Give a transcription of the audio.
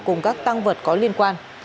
cùng các tăng vật có liên quan